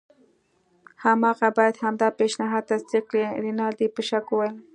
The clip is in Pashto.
هماغه باید همدا پیشنهاد تصدیق کړي. رینالډي په شک وویل.